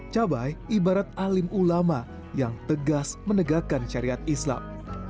cabai ibarat alim ulama yang tegas menegakkan syariat islam